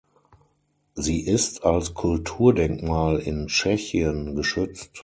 Sie ist als Kulturdenkmal in Tschechien geschützt.